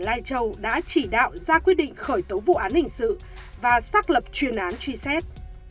lai châu đã chỉ đạo ra quyết định khởi tố vụ án hình sự và xác lập chuyên án truy xét